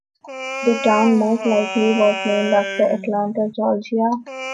The town most likely was named after Atlanta, Georgia.